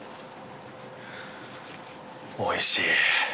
おいしい。